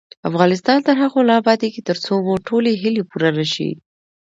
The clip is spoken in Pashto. افغانستان تر هغو نه ابادیږي، ترڅو مو ټولې هیلې پوره نشي.